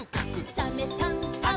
「サメさんサバさん」